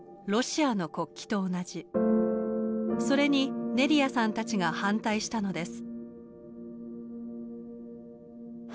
それにネリアさんたちが反対したのです。